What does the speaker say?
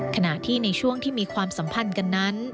ขณะที่ในช่วงที่มีความสัมพันธ์กันนั้น